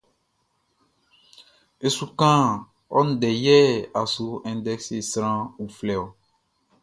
E su kan ɔ ndɛ yɛ a su index sran uflɛ.